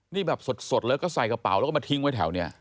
นี่แบบสดแล้วก็ใส่กระเป๋าแล้วก็มาทิ้งไว้แถวนี้